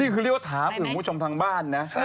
นี่คือเรียกว่าถามอื่นผู้ชมทางบ้านนะ